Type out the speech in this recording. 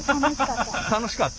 楽しかった。